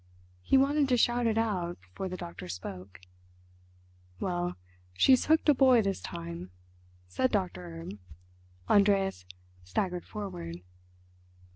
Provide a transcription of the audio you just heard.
He wanted to shout it out before the doctor spoke. "Well, she's hooked a boy this time!" said Doctor Erb. Andreas staggered forward.